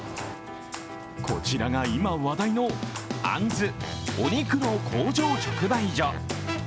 こちらが今話題のあんずお肉の工場直売所。